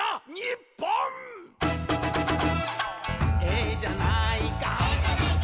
「ええじゃないか」